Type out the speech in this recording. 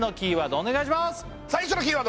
お願いします